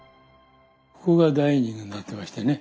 ここがダイニングになってましてね